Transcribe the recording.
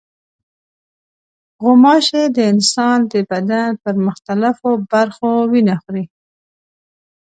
غوماشې د انسان د بدن پر مختلفو برخو وینه خوري.